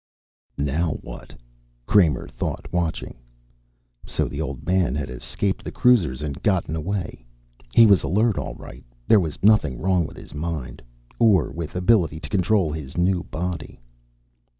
Now what? Kramer thought, watching. So the Old Man had escaped the cruisers and gotten away. He was alert, all right; there was nothing wrong with his mind. Or with his ability to control his new body.